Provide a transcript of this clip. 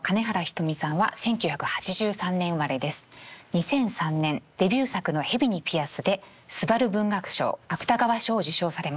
２００３年デビュー作の「蛇にピアス」ですばる文学賞芥川賞を受賞されました。